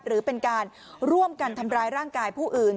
หรือเป็นการร่วมกันทำร้ายร่างกายผู้อื่น